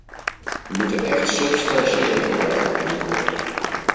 We moeten echt substantiële vooruitgang boeken.